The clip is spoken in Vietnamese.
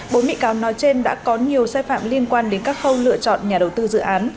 bốn bị cáo nói trên đã có nhiều sai phạm liên quan đến các khâu lựa chọn nhà đầu tư dự án